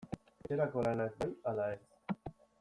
Etxerako lanak bai ala ez?